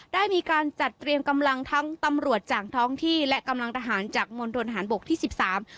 ได้มีการจัดเตรียมกำลังทั้งตำรวจจากท้องที่และกำลังทหารจากมณฑนฐานบกที่สิบสาม